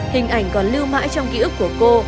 hình ảnh còn lưu mãi trong ký ức của cô